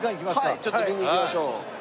はいちょっと見に行きましょう。